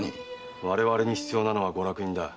我々に必要なのはご落胤だ。